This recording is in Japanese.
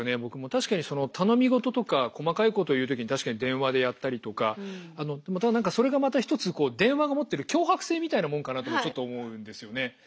確かに頼み事とか細かいこと言う時に確かに電話でやったりとかそれがまた一つ電話が持ってる強迫性みたいなもんかなとちょっと思うんですよね。